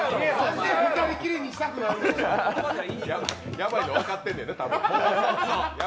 やばいの、分かってんのやな多分。